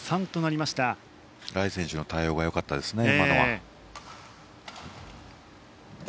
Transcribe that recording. ライ選手の対応が今は良かったですね。